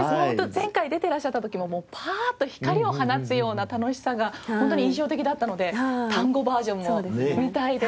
前回出ていらっしゃった時もパーッと光を放つような楽しさがホントに印象的だったのでタンゴバージョンも見たいです。